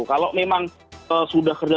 kalau memang sudah kerja